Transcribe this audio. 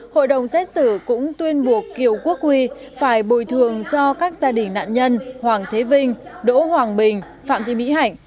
hội đồng xét xử cũng tuyên buộc kiều quốc huy phải bồi thường cho các gia đình nạn nhân hoàng thế vinh đỗ hoàng bình phạm thị mỹ hạnh